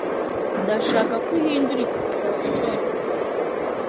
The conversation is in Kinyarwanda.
Ndashaka ko uhindura iki gitabo mucyongereza .